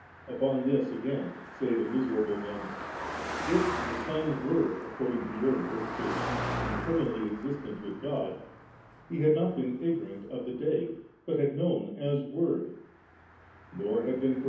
" Upon this again say the miserable men, " If the Son were, according to your in terpretation 9, eternally existent with God, He had not been ignorant of the Day, but had known as Word; nor had been forsaken as t Matt xxriil i8 ; John ▼.